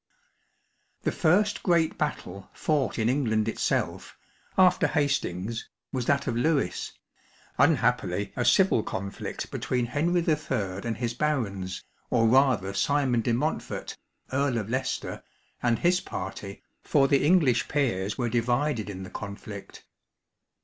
The first great battle fought in England itself, after Hastings, was that of Lewes ; unhappily a civil conflict between Henry III. and his barons, or rather Simon De Montfort, Earl of Leicester, and his party, for the English peers were divided in the conflict.